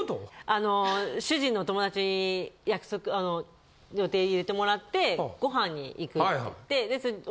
あの主人の友達に約束予定入れてもらってご飯に行く。